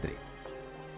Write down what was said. seperti kata bapak hakim